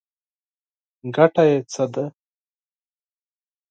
حاصل یې څه دی ؟